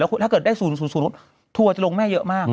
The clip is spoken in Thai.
ถ้าเกิดได้๐๐ทัวร์จะลงแม่เยอะมาก